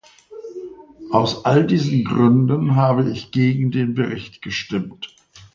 Aus all diesen Gründen habe ich gegen den Bericht gestimmt.